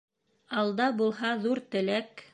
Алда булһа ҙур теләк